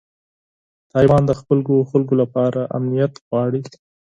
طالبان د خپلو خلکو لپاره امنیت غواړي.